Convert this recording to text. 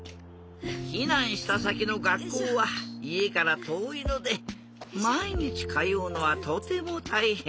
ひなんしたさきのがっこうはいえからとおいのでまいにちかようのはとてもたいへん。